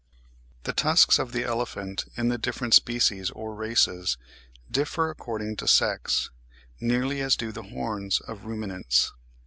The tusks of the elephant, in the different species or races, differ according to sex, nearly as do the horns of ruminants.